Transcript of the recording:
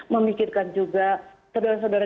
memikirkan juga saudara saudara